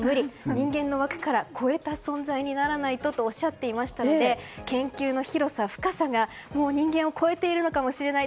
人間の枠から超えた存在にならないととおっしゃっていましたので研究の広さ、深さが人間を超えているのかもしれない。